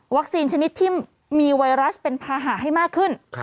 วัคซีนชนิดที่มีไวรัสเป็นพาหาให้มากขึ้น